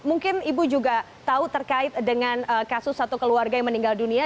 mungkin ibu juga tahu terkait dengan kasus satu keluarga yang meninggal dunia